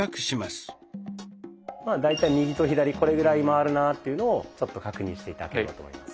まあ大体右と左これぐらい回るなぁっていうのをちょっと確認して頂ければと思います。